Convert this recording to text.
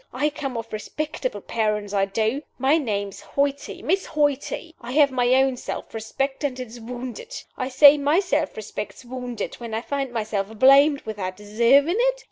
I come of respectable parents I do. My name is Hoighty Miss Hoighty. I have my own self respect; and it's wounded. I say my self respect is wounded, when I find myself blamed without deserving it.